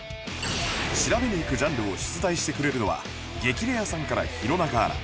調べに行くジャンルを出題してくれるのは『激レアさん』から弘中アナ